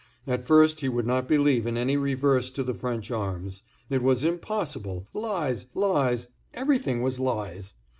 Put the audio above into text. At first he would not believe in any reverse to the French arms; it was impossible—lies, lies, everything was lies.